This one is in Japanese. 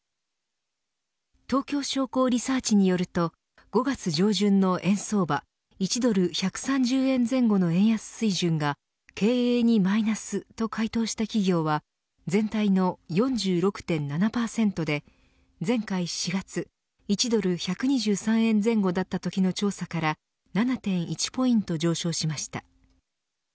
東京商工リサーチによると５月上旬の円相場１ドル１３０円前後の円安水準が経営にマイナスと回答した企業は全体の４６．７％で前回４月、１ドル１２３円前後だったときの調査から７．１ポイント上昇しました。